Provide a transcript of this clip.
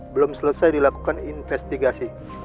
belum selesai dilakukan investigasi